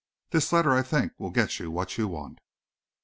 This letter I think will get you what you want."